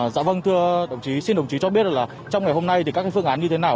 dạ vâng thưa đồng chí xin đồng chí cho biết là trong ngày hôm nay thì các phương án như thế nào